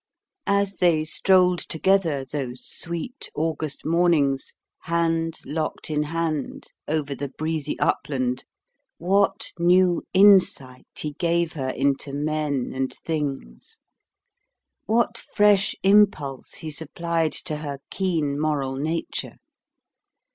As they strolled together, those sweet August mornings, hand locked in hand, over the breezy upland, what new insight he gave her into men and things! what fresh impulse he supplied to her keen moral nature!